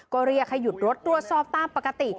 ก็เรียกให้หยุดรถตรวจสอบตามปกติ